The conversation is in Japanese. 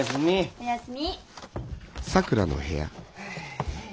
おやすみ。